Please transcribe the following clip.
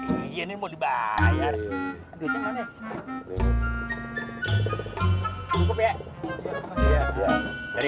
iya nih mau dibayar